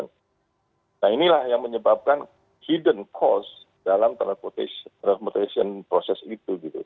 nah inilah yang menyebabkan hidden cost dalam teleponasi proses itu